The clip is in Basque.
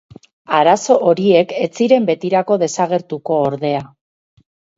Arazo horiek ez ziren betirako desagertuko, ordea.